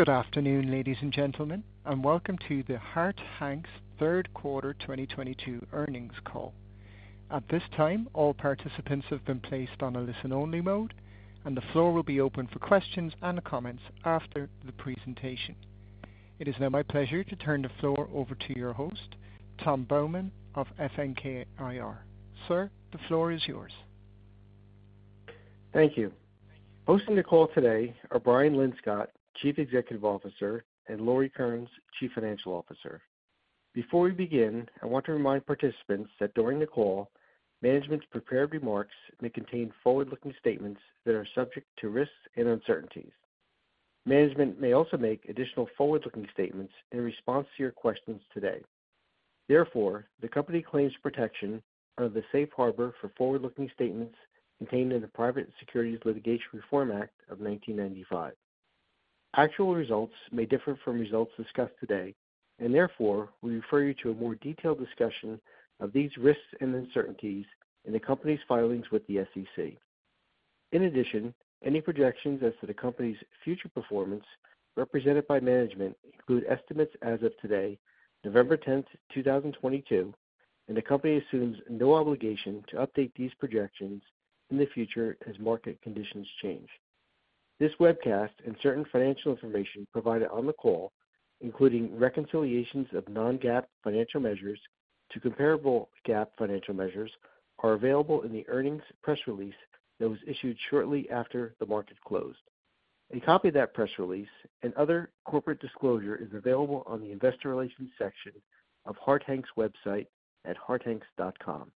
Good afternoon, ladies and gentlemen, and welcome to the Harte Hanks third quarter 2022 earnings call. At this time, all participants have been placed on a listen-only mode, and the floor will be open for questions and comments after the presentation. It is now my pleasure to turn the floor over to your host, Tom Baumann of FNK IR. Sir, the floor is yours. Thank you. Hosting the call today are Brian Linscott, Chief Executive Officer, and Lauri Kearnes, Chief Financial Officer. Before we begin, I want to remind participants that during the call, management's prepared remarks may contain forward-looking statements that are subject to risks and uncertainties. Management may also make additional forward-looking statements in response to your questions today. Therefore, the company claims protection under the safe harbor for forward-looking statements contained in the Private Securities Litigation Reform Act of 1995. Actual results may differ from results discussed today, and therefore, we refer you to a more detailed discussion of these risks and uncertainties in the company's filings with the SEC. In addition, any projections as to the company's future performance represented by management include estimates as of today, November 10, 2022, and the company assumes no obligation to update these projections in the future as market conditions change. This webcast and certain financial information provided on the call, including reconciliations of non-GAAP financial measures to comparable GAAP financial measures, are available in the earnings press release that was issued shortly after the market closed. A copy of that press release and other corporate disclosure is available on the investor relations section of Harte Hanks' website at hartehanks.com.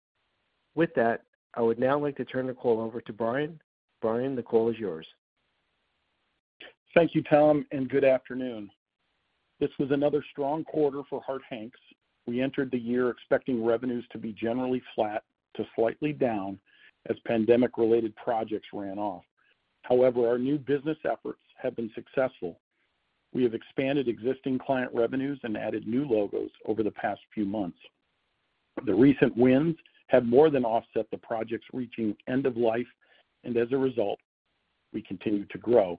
With that, I would now like to turn the call over to Brian. Brian, the call is yours. Thank you, Tom, and good afternoon. This was another strong quarter for Harte Hanks. We entered the year expecting revenues to be generally flat to slightly down as pandemic-related projects ran off. However, our new business efforts have been successful. We have expanded existing client revenues and added new logos over the past few months. The recent wins have more than offset the projects reaching end of life, and as a result, we continue to grow.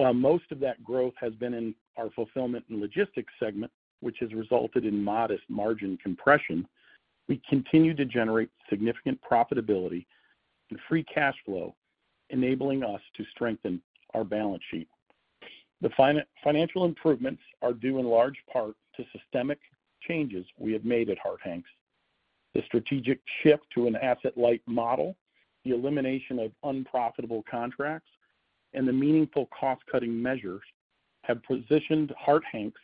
While most of that growth has been in our fulfillment and logistics segment, which has resulted in modest margin compression, we continue to generate significant profitability and free cash flow, enabling us to strengthen our balance sheet. The financial improvements are due in large part to systemic changes we have made at Harte Hanks. The strategic shift to an asset-light model, the elimination of unprofitable contracts, and the meaningful cost-cutting measures have positioned Harte Hanks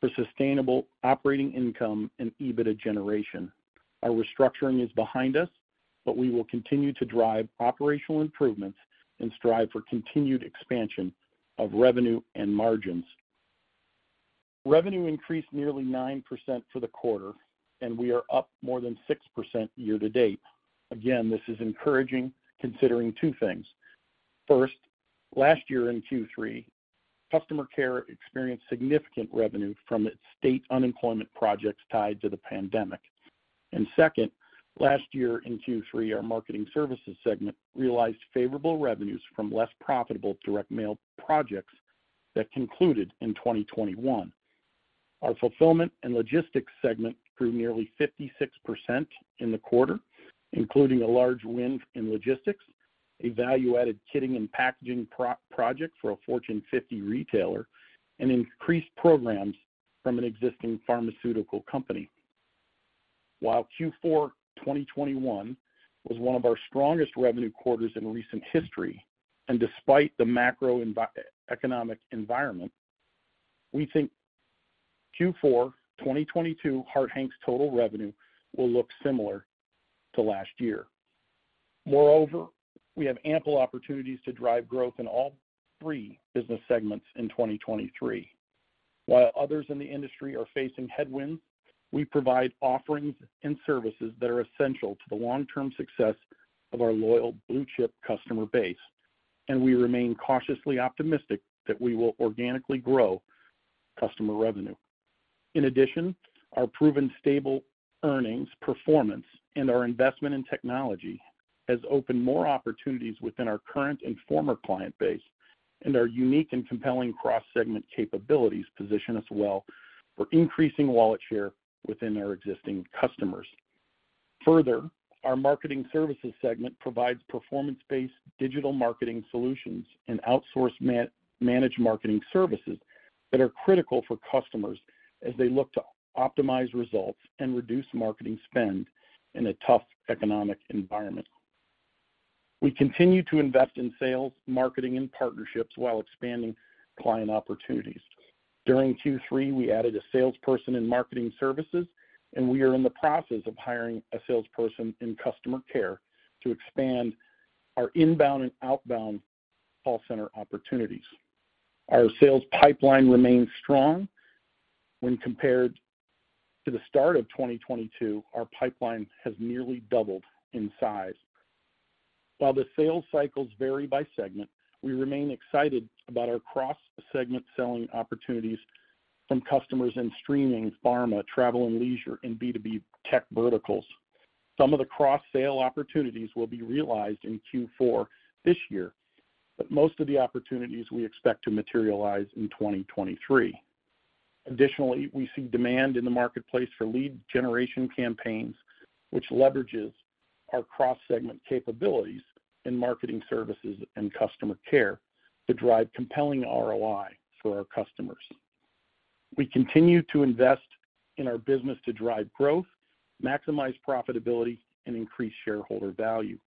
for sustainable operating income and EBITDA generation. Our restructuring is behind us, but we will continue to drive operational improvements and strive for continued expansion of revenue and margins. Revenue increased nearly 9% for the quarter, and we are up more than 6% year-to-date. Again, this is encouraging considering two things. First, last year in Q3, customer care experienced significant revenue from its state unemployment projects tied to the pandemic. Second, last year in Q3, our marketing services segment realized favorable revenues from less profitable direct mail projects that concluded in 2021. Our fulfillment and logistics segment grew nearly 56% in the quarter, including a large win in logistics, a value-added kitting and packaging project for a Fortune 50 retailer, and increased programs from an existing pharmaceutical company. While Q4 2021 was one of our strongest revenue quarters in recent history, and despite the macro economic environment, we think Q4 2022 Harte Hanks total revenue will look similar to last year. Moreover, we have ample opportunities to drive growth in all three business segments in 2023. While others in the industry are facing headwinds, we provide offerings and services that are essential to the long-term success of our loyal blue-chip customer base, and we remain cautiously optimistic that we will organically grow customer revenue. In addition, our proven stable earnings performance and our investment in technology has opened more opportunities within our current and former client base, and our unique and compelling cross-segment capabilities position us well for increasing wallet share within our existing customers. Further, our marketing services segment provides performance-based digital marketing solutions and outsourced managed marketing services that are critical for customers as they look to optimize results and reduce marketing spend in a tough economic environment. We continue to invest in sales, marketing, and partnerships while expanding client opportunities. During Q3, we added a salesperson in marketing services, and we are in the process of hiring a salesperson in customer care to expand our inbound and outbound call center opportunities. Our sales pipeline remains strong. When compared to the start of 2022, our pipeline has nearly doubled in size. While the sales cycles vary by segment, we remain excited about our cross-segment selling opportunities from customers in streaming, pharma, travel and leisure, and B2B tech verticals. Some of the cross-sale opportunities will be realized in Q4 this year, but most of the opportunities we expect to materialize in 2023. Additionally, we see demand in the marketplace for lead generation campaigns, which leverages our cross-segment capabilities in marketing services and customer care to drive compelling ROI for our customers. We continue to invest in our business to drive growth, maximize profitability, and increase shareholder value.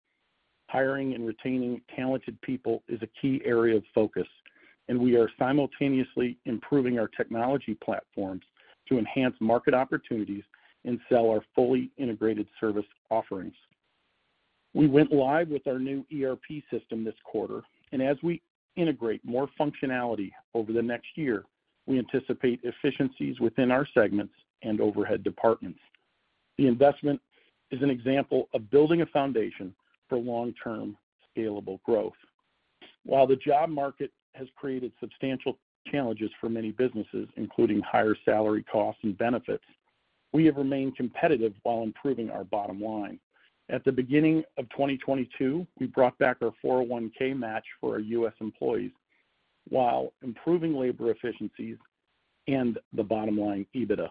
Hiring and retaining talented people is a key area of focus, and we are simultaneously improving our technology platforms to enhance market opportunities and sell our fully integrated service offerings. We went live with our new ERP system this quarter, and as we integrate more functionality over the next year, we anticipate efficiencies within our segments and overhead departments. The investment is an example of building a foundation for long-term scalable growth. While the job market has created substantial challenges for many businesses, including higher salary costs and benefits, we have remained competitive while improving our bottom line. At the beginning of 2022, we brought back our 401(k) match for our U.S. employees while improving labor efficiencies and the bottom line EBITDA.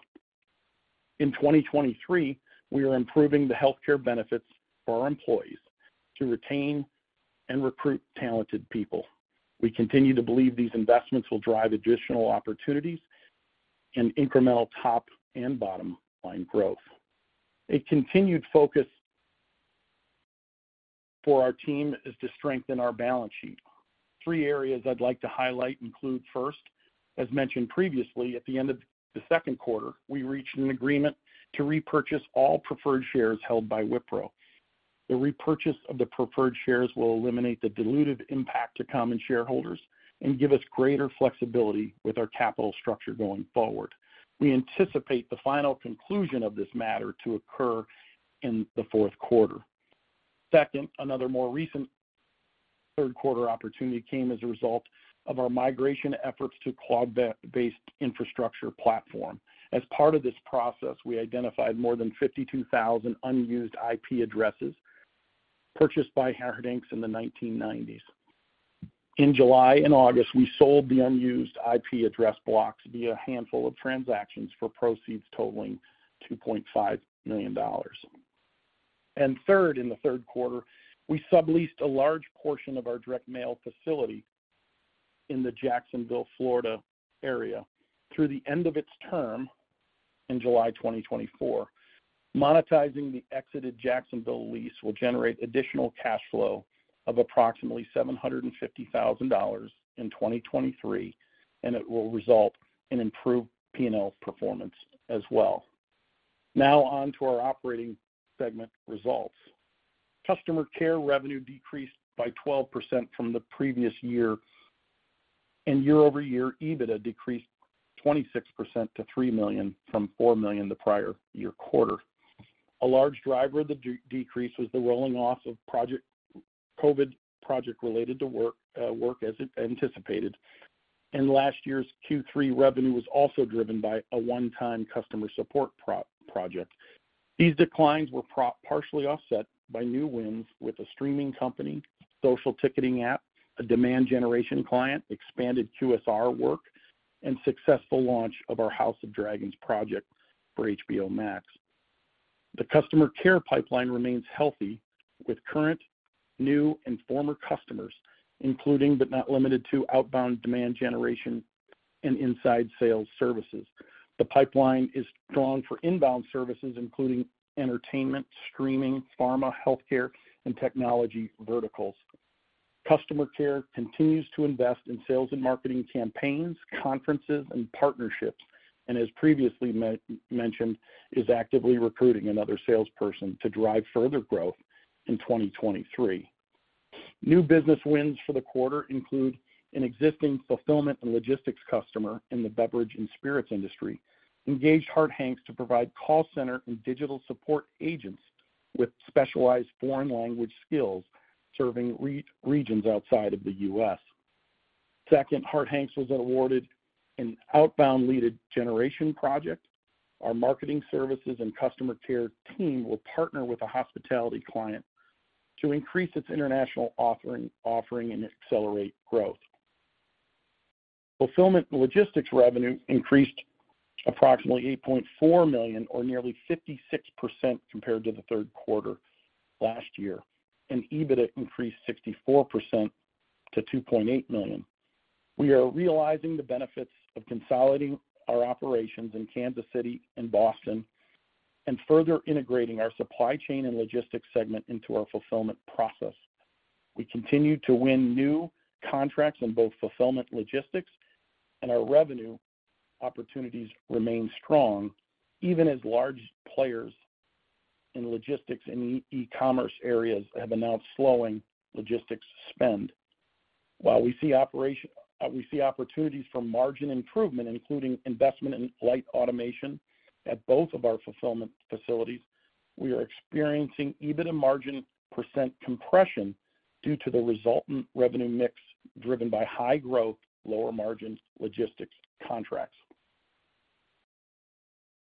In 2023, we are improving the healthcare benefits for our employees to retain and recruit talented people. We continue to believe these investments will drive additional opportunities and incremental top and bottom-line growth. A continued focus for our team is to strengthen our balance sheet. Three areas I'd like to highlight include first, as mentioned previously, at the end of the second quarter, we reached an agreement to repurchase all preferred shares held by Wipro. The repurchase of the preferred shares will eliminate the diluted impact to common shareholders and give us greater flexibility with our capital structure going forward. We anticipate the final conclusion of this matter to occur in the fourth quarter. Second, another more recent third quarter opportunity came as a result of our migration efforts to cloud-based infrastructure platform. As part of this process, we identified more than 52,000 unused IP addresses purchased by Harte Hanks in the 1990s. In July and August, we sold the unused IP address blocks via a handful of transactions for proceeds totaling $2.5 million. Third, in the third quarter, we subleased a large portion of our direct mail facility in the Jacksonville, Florida, area through the end of its term in July 2024. Monetizing the exited Jacksonville lease will generate additional cash flow of approximately $750,000 in 2023, and it will result in improved P&L performance as well. Now on to our operating segment results. Customer care revenue decreased by 12% from the previous year, and year-over-year EBITDA decreased 26% to $3 million from $4 million the prior year quarter. A large driver of the decrease was the rolling off of COVID project related to work as anticipated. Last year's Q3 revenue was also driven by a one-time customer support project. These declines were partially offset by new wins with a streaming company, social ticketing app, a demand generation client, expanded QSR work, and successful launch of our House of the Dragon project for HBO Max. The customer care pipeline remains healthy with current, new, and former customers, including but not limited to outbound demand generation and inside sales services. The pipeline is strong for inbound services, including entertainment, streaming, pharma, healthcare, and technology verticals. Customer care continues to invest in sales and marketing campaigns, conferences, and partnerships, and as previously mentioned, is actively recruiting another salesperson to drive further growth in 2023. New business wins for the quarter include an existing fulfillment and logistics customer in the beverage and spirits industry engaged Harte Hanks to provide call center and digital support agents with specialized foreign language skills serving regions outside of the U.S. Second, Harte Hanks was awarded an outbound lead generation project. Our marketing services and customer care team will partner with a hospitality client to increase its international offering and accelerate growth. Fulfillment logistics revenue increased approximately $8.4 million or nearly 56% compared to the third quarter last year, and EBITDA increased 64% to $2.8 million. We are realizing the benefits of consolidating our operations in Kansas City and Boston and further integrating our supply chain and logistics segment into our fulfillment process. We continue to win new contracts in both fulfillment logistics and our revenue opportunities remain strong even as large players in logistics and e-commerce areas have announced slowing logistics spend. While we see opportunities for margin improvement, including investment in light automation at both of our fulfillment facilities, we are experiencing EBITDA margin % compression due to the resultant revenue mix driven by high-growth, lower-margin logistics contracts.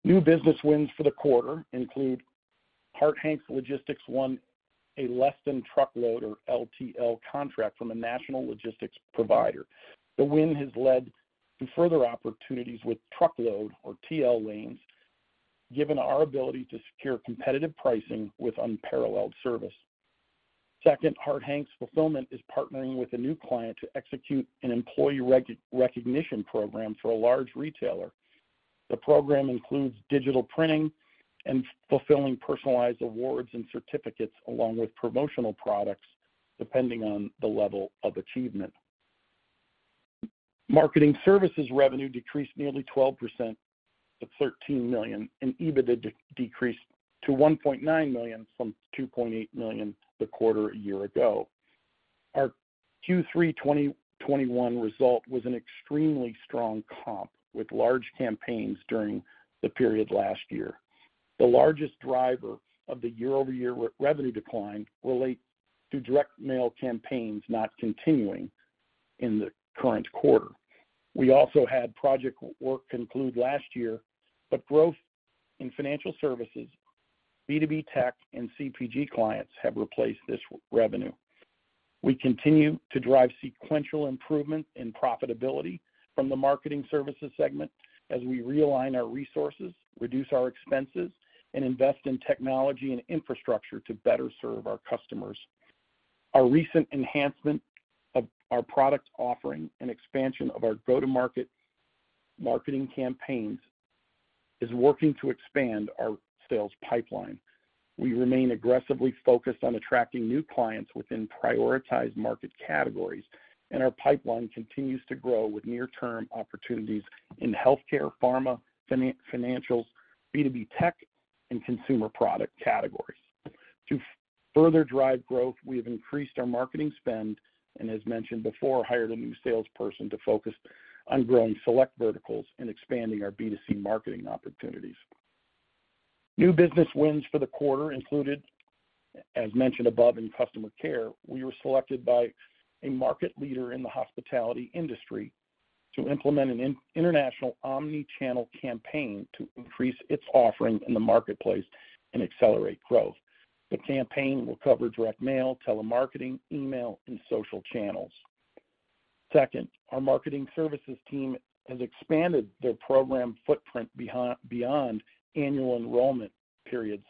New business wins for the quarter include Harte Hanks Logistics won a less than truckload or LTL contract from a national logistics provider. The win has led to further opportunities with truckload or TL lanes, given our ability to secure competitive pricing with unparalleled service. Second, Harte Hanks Fulfillment is partnering with a new client to execute an employee recognition program for a large retailer. The program includes digital printing and fulfilling personalized awards and certificates along with promotional products, depending on the level of achievement. Marketing services revenue decreased nearly 12% to $13 million, and EBITDA decreased to $1.9 million from $2.8 million the quarter a year ago. Our Q3 2021 result was an extremely strong comp with large campaigns during the period last year. The largest driver of the year-over-year revenue decline relate to direct mail campaigns not continuing in the current quarter. We also had project work conclude last year, but growth in financial services, B2B tech, and CPG clients have replaced this revenue. We continue to drive sequential improvement in profitability from the marketing services segment as we realign our resources, reduce our expenses, and invest in technology and infrastructure to better serve our customers. Our recent enhancement of our product offering and expansion of our go-to-market marketing campaigns is working to expand our sales pipeline. We remain aggressively focused on attracting new clients within prioritized market categories, and our pipeline continues to grow with near-term opportunities in healthcare, pharma, financial, B2B tech, and consumer product categories. To further drive growth, we have increased our marketing spend and as mentioned before, hired a new salesperson to focus on growing select verticals and expanding our B2C marketing opportunities. New business wins for the quarter included, as mentioned above in customer care, we were selected by a market leader in the hospitality industry to implement an international omni-channel campaign to increase its offering in the marketplace and accelerate growth. The campaign will cover direct mail, telemarketing, email, and social channels. Second, our marketing services team has expanded their program footprint beyond annual enrollment periods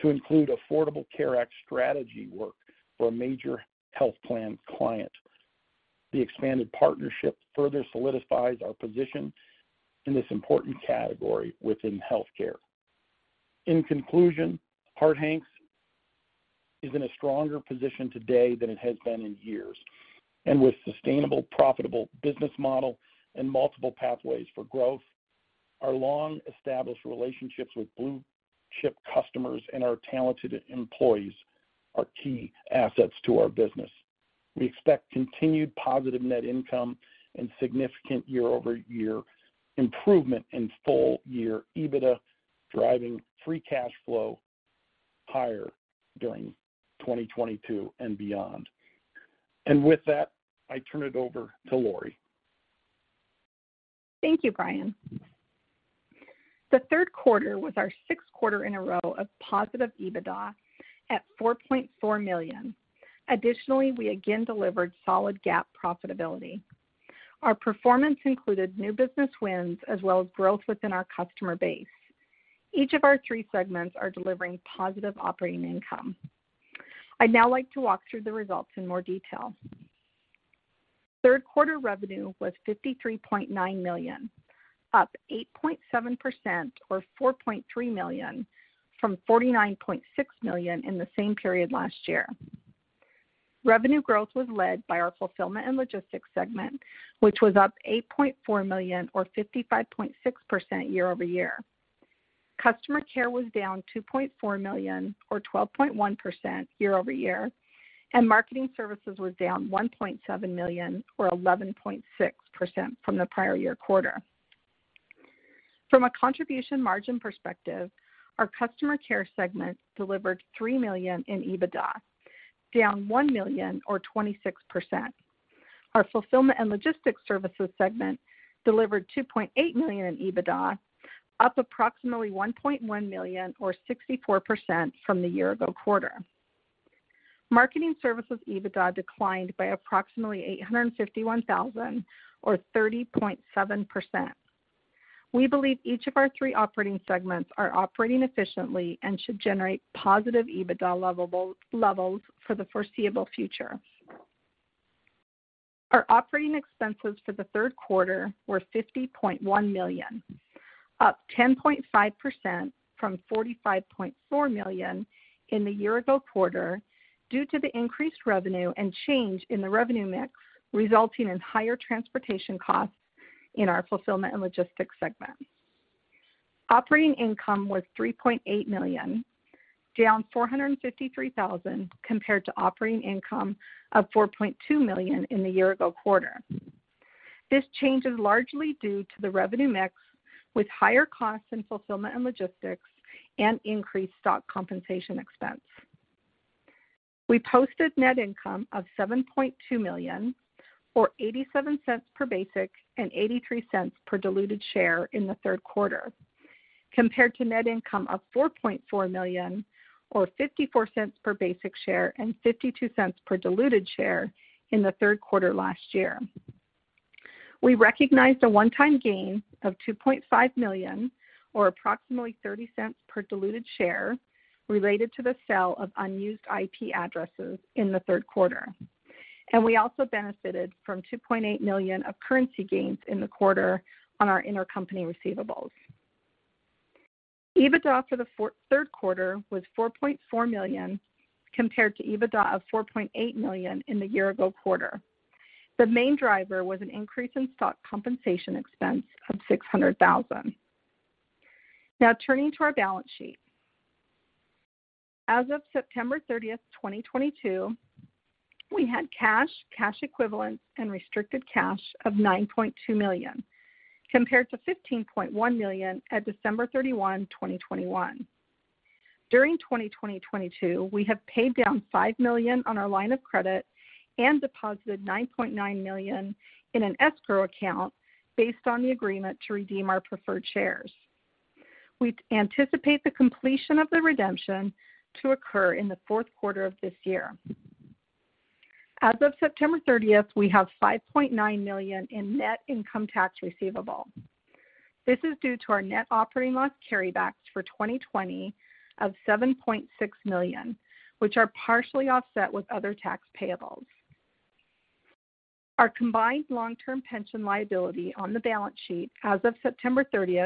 to include Affordable Care Act strategy work for a major health plan client. The expanded partnership further solidifies our position in this important category within healthcare. In conclusion, Harte Hanks is in a stronger position today than it has been in years. With sustainable, profitable business model and multiple pathways for growth, our long-established relationships with blue chip customers and our talented employees are key assets to our business. We expect continued positive net income and significant year-over-year improvement in full year EBITDA, driving free cash flow higher during 2022 and beyond. With that, I turn it over to Lauri. Thank you, Brian. The third quarter was our sixth quarter in a row of positive EBITDA at $4.4 million. Additionally, we again delivered solid GAAP profitability. Our performance included new business wins as well as growth within our customer base. Each of our three segments are delivering positive operating income. I'd now like to walk through the results in more detail. Third quarter revenue was $53.9 million, up 8.7% or $4.3 million from $49.6 million in the same period last year. Revenue growth was led by our fulfillment and logistics segment, which was up $8.4 million or 55.6% year-over-year. Customer care was down $2.4 million or 12.1% year-over-year, and marketing services was down $1.7 million or 11.6% from the prior year quarter. From a contribution margin perspective, our customer care segment delivered $3 million in EBITDA, down $1 million or 26%. Our fulfillment and logistics services segment delivered $2.8 million in EBITDA, up approximately $1.1 million or 64% from the year ago quarter. Marketing services EBITDA declined by approximately $851,000 or 30.7%. We believe each of our three operating segments are operating efficiently and should generate positive EBITDA levels for the foreseeable future. Our operating expenses for the third quarter were $50.1 million, up 10.5% from $45.4 million in the year ago quarter due to the increased revenue and change in the revenue mix, resulting in higher transportation costs in our fulfillment and logistics segment. Operating income was $3.8 million, down $453,000 compared to operating income of $4.2 million in the year ago quarter. This change is largely due to the revenue mix with higher costs in fulfillment and logistics and increased stock compensation expense. We posted net income of $7.2 million or $0.87 per basic and $0.83 per diluted share in the third quarter compared to net income of $4.4 million or $0.54 per basic share and $0.52 per diluted share in the third quarter last year. We recognized a one-time gain of $2.5 million or approximately $0.30 per diluted share related to the sale of unused IP addresses in the third quarter. We also benefited from $2.8 million of currency gains in the quarter on our intercompany receivables. EBITDA for the third quarter was $4.4 million compared to EBITDA of $4.8 million in the year ago quarter. The main driver was an increase in stock compensation expense of $600,000. Now turning to our balance sheet. As of September 30, 2022, we had cash equivalents, and restricted cash of $9.2 million compared to $15.1 million at December 31, 2021. During 2022, we have paid down $5 million on our line of credit and deposited $9.9 million in an escrow account based on the agreement to redeem our preferred shares. We anticipate the completion of the redemption to occur in the fourth quarter of this year. As of September 30, we have $5.9 million in net income tax receivable. This is due to our net operating loss carrybacks for 2020 of $7.6 million, which are partially offset with other tax payables. Our combined long-term pension liability on the balance sheet as of September 30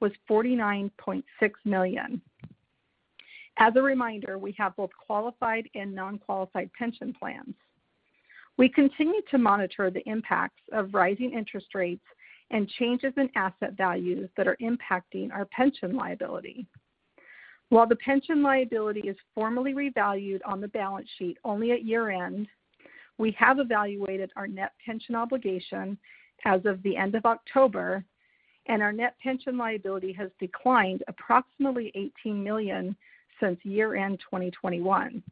was $49.6 million. As a reminder, we have both qualified and non-qualified pension plans. We continue to monitor the impacts of rising interest rates and changes in asset values that are impacting our pension liability. While the pension liability is formally revalued on the balance sheet only at year-end, we have evaluated our net pension obligation as of the end of October, and our net pension liability has declined approximately $18 million since year-end 2021.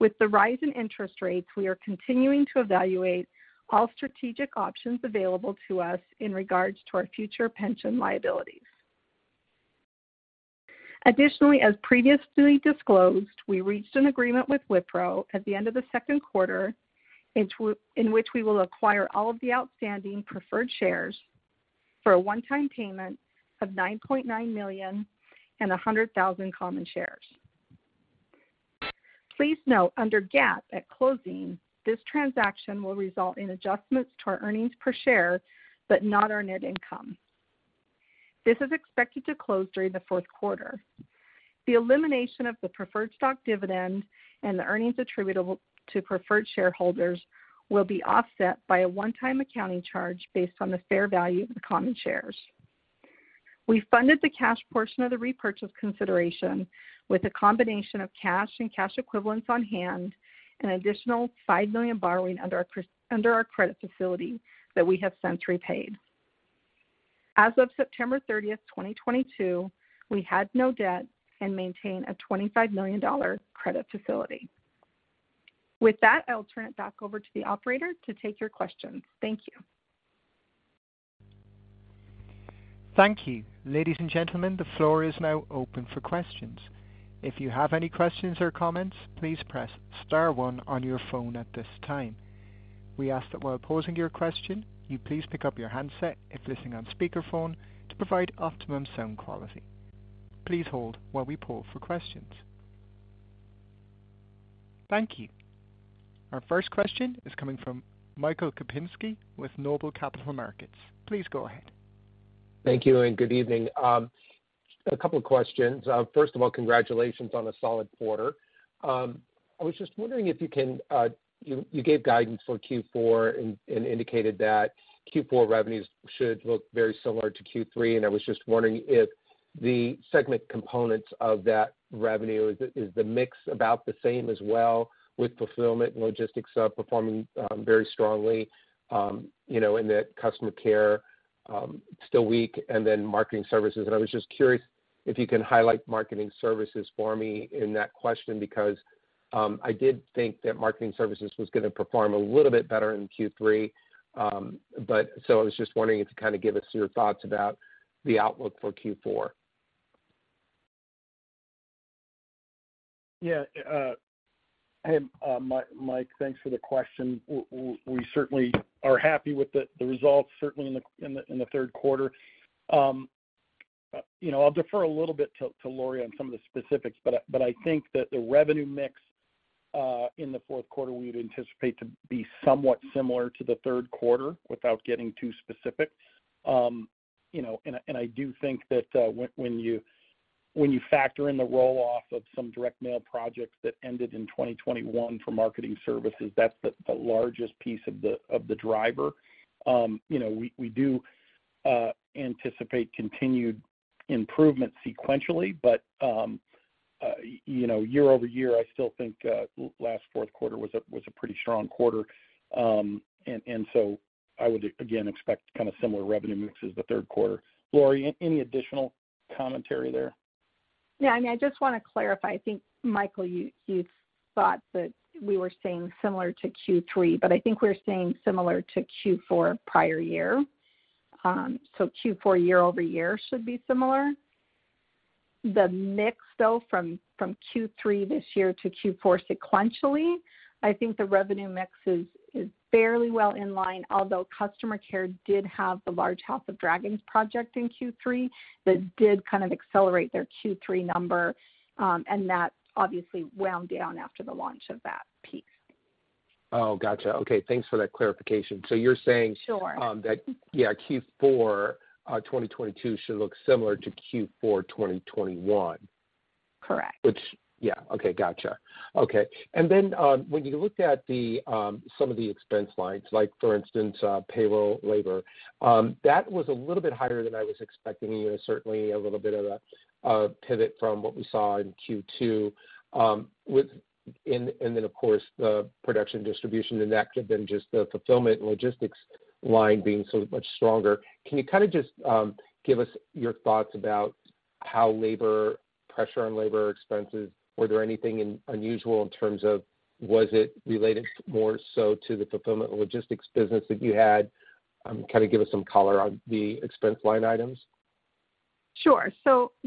With the rise in interest rates, we are continuing to evaluate all strategic options available to us in regards to our future pension liabilities. Additionally, as previously disclosed, we reached an agreement with Wipro at the end of the second quarter, in which we will acquire all of the outstanding preferred shares for a one-time payment of $9.9 million and 100,000 common shares. Please note under GAAP, at closing, this transaction will result in adjustments to our earnings per share but not our net income. This is expected to close during the fourth quarter. The elimination of the preferred stock dividend and the earnings attributable to preferred shareholders will be offset by a one-time accounting charge based on the fair value of the common shares. We funded the cash portion of the repurchase consideration with a combination of cash and cash equivalents on hand, an additional $5 million borrowing under our credit facility that we have since repaid. As of September 30, 2022, we had no debt and maintain a $25 million credit facility. With that, I'll turn it back over to the operator to take your questions. Thank you. Thank you. Ladies and gentlemen, the floor is now open for questions. If you have any questions or comments, please press star one on your phone at this time. We ask that while posing your question, you please pick up your handset if listening on speakerphone to provide optimum sound quality. Please hold while we poll for questions. Thank you. Our first question is coming from Michael Kupinski with NOBLE Capital Markets. Please go ahead. Thank you and good evening. A couple of questions. First of all, congratulations on a solid quarter. I was just wondering if you gave guidance for Q4 and indicated that Q4 revenues should look very similar to Q3, and I was just wondering if the segment components of that revenue is the mix about the same as well with Fulfillment and Logistics performing very strongly, you know, and that Customer Care still weak and then Marketing Services. I was just curious if you can highlight Marketing Services for me in that question because I did think that Marketing Services was gonna perform a little bit better in Q3. I was just wondering if you kind of give us your thoughts about the outlook for Q4. Yeah, hey, Mike, thanks for the question. We certainly are happy with the results in the third quarter. You know, I'll defer a little bit to Lauri on some of the specifics, but I think that the revenue mix in the fourth quarter we would anticipate to be somewhat similar to the third quarter without getting too specific. You know, and I do think that when you factor in the roll-off of some direct mail projects that ended in 2021 for marketing services, that's the largest piece of the driver. You know, we do anticipate continued improvement sequentially, but you know, year-over-year, I still think last fourth quarter was a pretty strong quarter. I would, again, expect kind of similar revenue mix as the third quarter. Lauri, any additional commentary there? Yeah, I mean, I just wanna clarify. I think, Michael, you thought that we were saying similar to Q3, but I think we're saying similar to Q4 prior year. So Q4 year-over-year should be similar. The mix though from Q3 this year to Q4 sequentially, I think the revenue mix is fairly well in line, although customer care did have the large House of the Dragon project in Q3 that did kind of accelerate their Q3 number, and that obviously wound down after the launch of that piece. Oh, gotcha. Okay, thanks for that clarification. You're saying- Sure Yeah, Q4 2022 should look similar to Q4 2021. Correct. Then, when you looked at some of the expense lines, like for instance, payroll, labor, that was a little bit higher than I was expecting, you know, certainly a little bit of a pivot from what we saw in Q2. Then of course the production, distribution and that could have been just the fulfillment and logistics line being so much stronger. Can you kind of just give us your thoughts about how labor pressure on labor expenses, was there anything unusual in terms of was it related more so to the fulfillment and logistics business that you had? Kind of give us some color on the expense line items. Sure.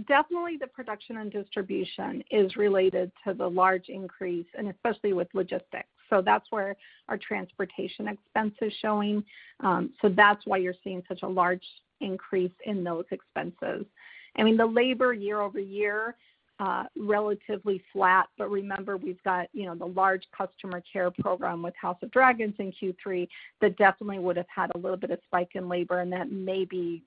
Definitely the production and distribution is related to the large increase and especially with logistics. That's where our transportation expense is showing. That's why you're seeing such a large increase in those expenses. I mean, the labor year-over-year relatively flat. Remember we've got, you know, the large customer care program with House of the Dragon in Q3 that definitely would've had a little bit of spike in labor and that may be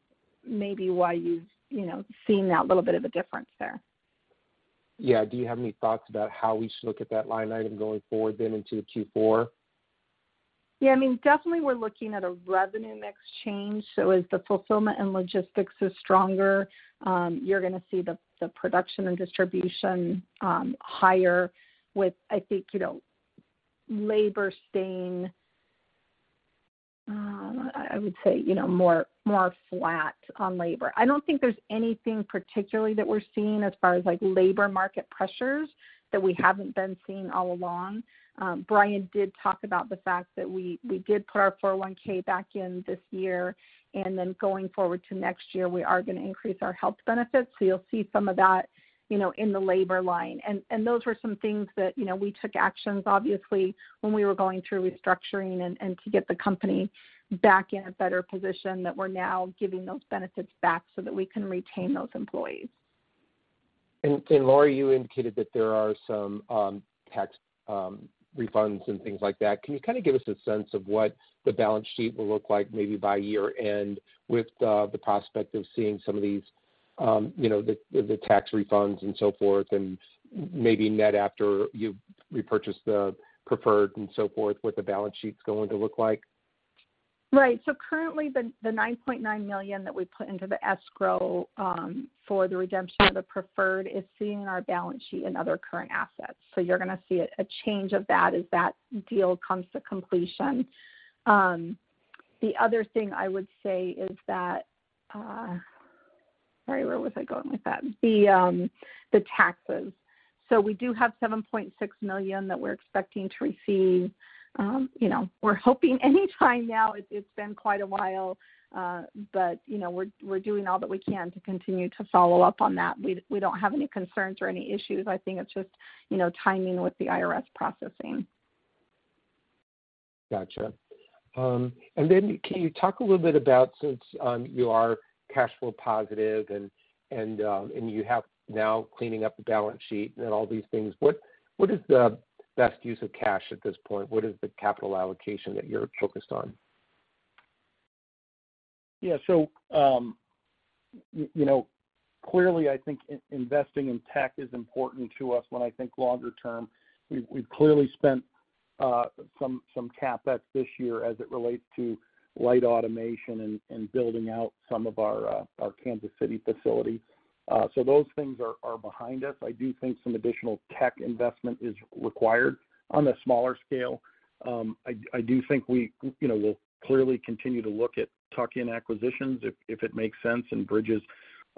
why you've, you know, seen that little bit of a difference there. Yeah. Do you have any thoughts about how we should look at that line item going forward then into Q4? Yeah, I mean, definitely we're looking at a revenue mix change. As the fulfillment and logistics is stronger, you're gonna see the production and distribution higher with, I think, you know, labor staying, I would say, you know, more flat on labor. I don't think there's anything particularly that we're seeing as far as like labor market pressures that we haven't been seeing all along. Brian did talk about the fact that we did put our 401(k) back in this year, and then going forward to next year, we are gonna increase our health benefits. You'll see some of that, you know, in the labor line. Those were some things that, you know, we took actions obviously when we were going through restructuring and to get the company back in a better position that we're now giving those benefits back so that we can retain those employees. Lauri, you indicated that there are some tax refunds and things like that. Can you kind of give us a sense of what the balance sheet will look like maybe by year end with the prospect of seeing some of these, you know, the tax refunds and so forth, and maybe net after you've repurchased the preferred and so forth, what the balance sheet's going to look like? Right. Currently the $9.9 million that we put into the escrow for the redemption of the preferred is sitting on our balance sheet in other current assets. You're gonna see a change in that as that deal comes to completion. The other thing I would say is that. Sorry, where was I going with that? The taxes. We do have $7.6 million that we're expecting to receive. You know, we're hoping anytime now, it's been quite a while. You know, we're doing all that we can to continue to follow up on that. We don't have any concerns or any issues. I think it's just you know, timing with the IRS processing. Gotcha. Can you talk a little bit about, since you are cash flow positive and you have now cleaning up the balance sheet and all these things, what is the best use of cash at this point? What is the capital allocation that you're focused on? Yeah. You know, clearly I think investing in tech is important to us when I think longer term. We've clearly spent some CapEx this year as it relates to light automation and building out some of our Kansas City facility. Those things are behind us. I do think some additional tech investment is required on a smaller scale. I do think we, you know, will clearly continue to look at tuck-in acquisitions if it makes sense and bridges,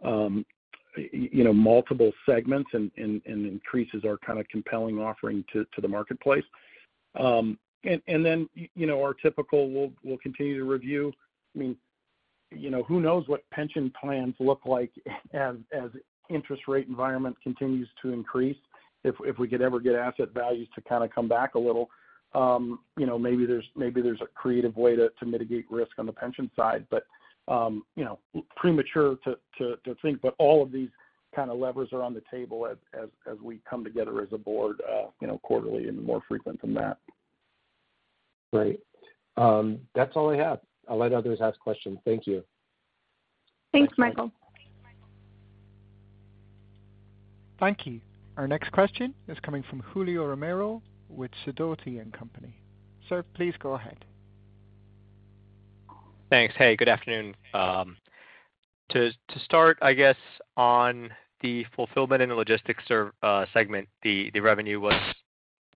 you know, multiple segments and increases our kind of compelling offering to the marketplace. You know, our typical we'll continue to review. I mean, you know, who knows what pension plans look like as interest rate environment continues to increase. If we could ever get asset values to kind of come back a little, you know, maybe there's a creative way to mitigate risk on the pension side. You know, premature to think, but all of these kind of levers are on the table as we come together as a board, you know, quarterly and more frequent than that. Great. That's all I have. I'll let others ask questions. Thank you. Thanks, Michael. Thank you. Our next question is coming from Julio Romero with Sidoti & Company. Sir, please go ahead. Thanks. Hey, good afternoon. To start, I guess, on the fulfillment and the logistics segment, the revenue was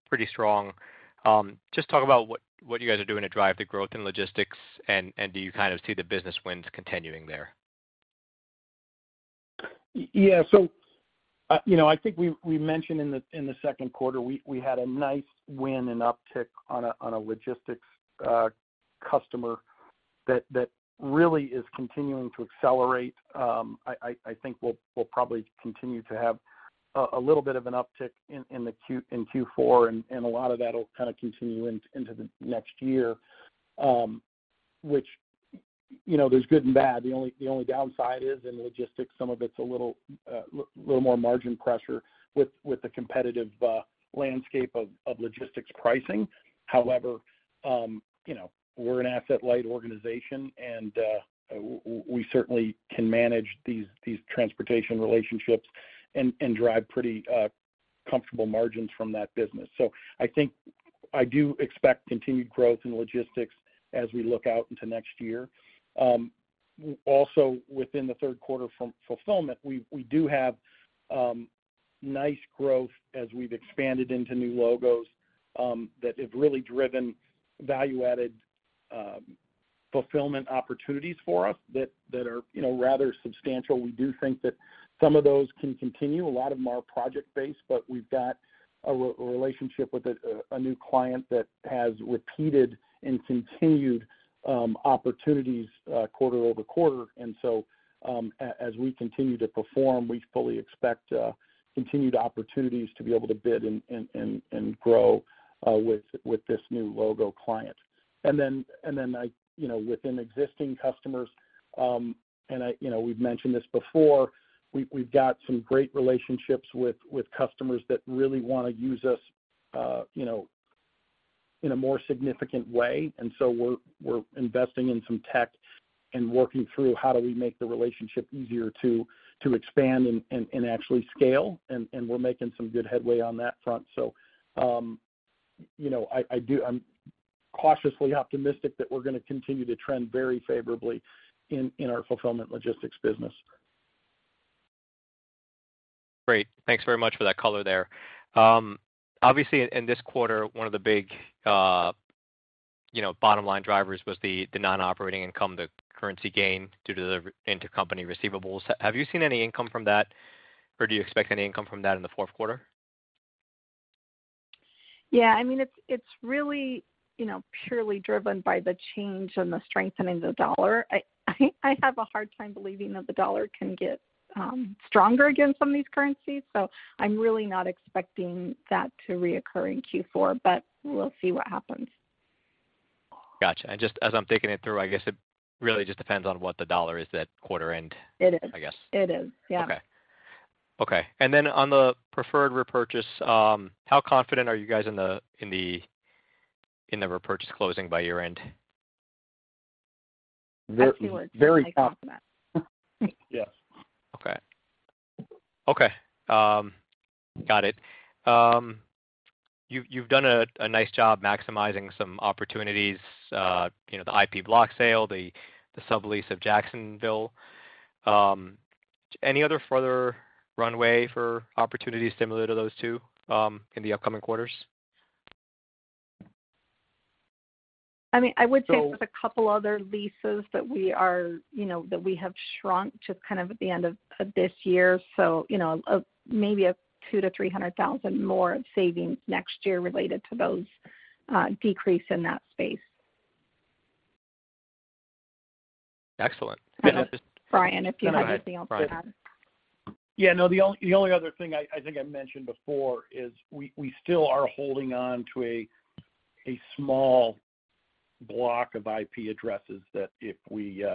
pretty strong. Just talk about what you guys are doing to drive the growth in logistics and do you kind of see the business wins continuing there? Yeah. You know, I think we mentioned in the second quarter, we had a nice win and uptick on a logistics customer that really is continuing to accelerate. I think we'll probably continue to have a little bit of an uptick in Q4 and a lot of that'll kind of continue into the next year. Which, you know, there's good and bad. The only downside is in logistics, some of it's a little more margin pressure with the competitive landscape of logistics pricing. However, you know, we're an asset-light organization and we certainly can manage these transportation relationships and drive pretty comfortable margins from that business. I think I do expect continued growth in logistics as we look out into next year. Also within the third quarter from fulfillment, we do have nice growth as we've expanded into new logos that have really driven value-added fulfillment opportunities for us that are, you know, rather substantial. We do think that some of those can continue. A lot of them are project-based, but we've got a relationship with a new client that has repeated and continued opportunities quarter over quarter. As we continue to perform, we fully expect continued opportunities to be able to bid and grow with this new logo client. You know, within existing customers, you know, we've mentioned this before, we've got some great relationships with customers that really wanna use us, you know, in a more significant way. We're investing in some tech and working through how do we make the relationship easier to expand and actually scale, and we're making some good headway on that front. You know, I do. I'm cautiously optimistic that we're gonna continue to trend very favorably in our fulfillment logistics business. Great. Thanks very much for that color there. Obviously in this quarter, one of the big, you know, bottom line drivers was the non-operating income, the currency gain due to the intercompany receivables. Have you seen any income from that or do you expect any income from that in the fourth quarter? Yeah. I mean, it's really, you know, purely driven by the change and the strengthening the dollar. I have a hard time believing that the dollar can get stronger against some of these currencies, so I'm really not expecting that to reoccur in Q4, but we'll see what happens. Gotcha. Just as I'm thinking it through, I guess it really just depends on what the dollar is at quarter end. It is. I guess. It is. Yeah. Okay. On the preferred repurchase, how confident are you guys in the repurchase closing by year-end? Very confident. I'd say we're very confident. Yes. Okay. Got it. You've done a nice job maximizing some opportunities, you know, the IP block sale, the sublease of Jacksonville. Any other further runway for opportunities similar to those two in the upcoming quarters? I mean, I would say. So- with a couple other leases that we have shrunk just kind of at the end of this year, so you know, maybe $200,000-$300,000 more of savings next year related to those decrease in that space. Excellent. Brian, if you have anything else to add. Go ahead, Brian. Yeah. No, the only other thing I think I mentioned before is we still are holding on to a small block of IP addresses that if we,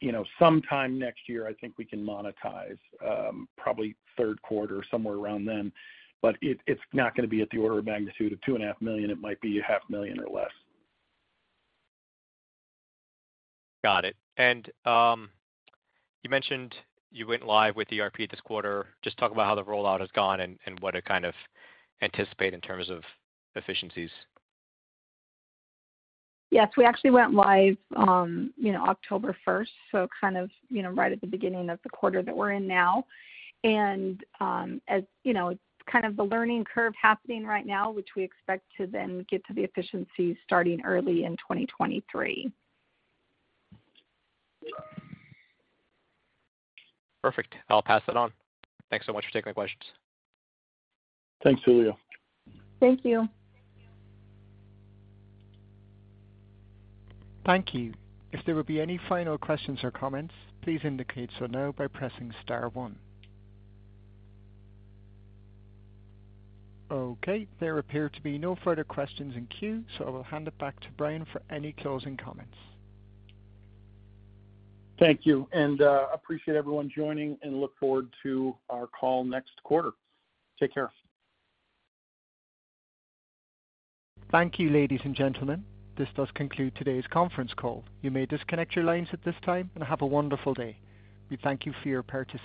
you know, sometime next year, I think we can monetize, probably third quarter, somewhere around then. But it's not gonna be at the order of magnitude of $2.5 million. It might be a $0.5 million or less. Got it. You mentioned you went live with ERP this quarter. Just talk about how the rollout has gone and what to kind of anticipate in terms of efficiencies. Yes. We actually went live, you know, October first, so kind of, you know, right at the beginning of the quarter that we're in now. As you know, kind of the learning curve happening right now, which we expect to then get to the efficiencies starting early in 2023. Perfect. I'll pass that on. Thanks so much for taking my questions. Thanks, Julio. Thank you. Thank you. If there will be any final questions or comments, please indicate so now by pressing star one. Okay, there appear to be no further questions in queue, so I will hand it back to Brian for any closing comments. Thank you, and appreciate everyone joining and look forward to our call next quarter. Take care. Thank you, ladies and gentlemen. This does conclude today's conference call. You may disconnect your lines at this time, and have a wonderful day. We thank you for your participation.